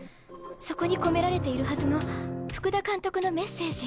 そこに込められているはずの福田監督のメッセージ。